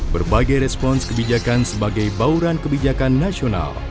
berbagai respons kebijakan sebagai bauran kebijakan nasional